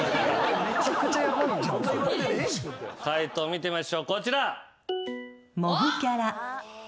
解答見てみましょうこちら。